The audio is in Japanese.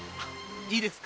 いいですか？